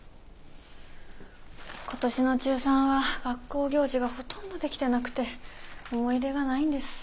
今年の中３は学校行事がほとんどできてなくて思い出がないんです。